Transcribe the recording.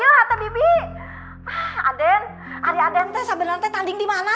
aden adik adik kamu sedang bergaduh di mana